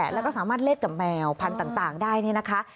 แล้วก็สามารถเล่นกับแมวพันธุ์ต่างได้นี่นะคะ